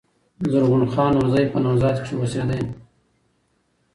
زرغون خان نورزي په "نوزاد" کښي اوسېدﺉ.